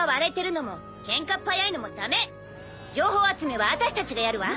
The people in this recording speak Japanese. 情報集めは私たちがやるわ。